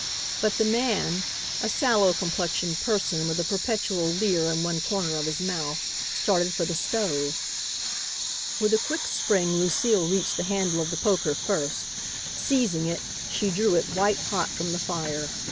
But the man, a sallow complexioned person with a perpetual leer in one corner of his mouth, started for the stove. With a quick spring Lucile reached the handle of the poker first. Seizing it, she drew it, white hot, from the fire.